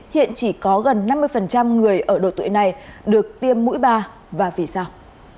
hiện chỉ có gần năm mươi người ở độ tuổi này được tiêm mũi ba và vì sao